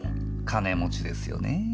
金持ちですよねぇ。